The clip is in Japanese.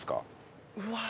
うわ。